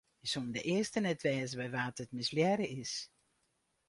Jo soene de earste net wêze by wa't it mislearre is.